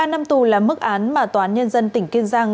một mươi ba năm tù là mức án mà tòa án nhân dân tỉnh kiên giang